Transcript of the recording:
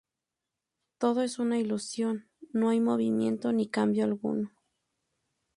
Todo es una ilusión: no hay movimiento ni cambio alguno.